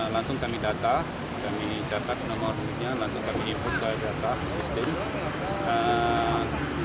langsung kami data kami catat nomornya langsung kami himpun ke data sistem